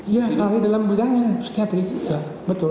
ya ahli dalam bidangnya psikiatri betul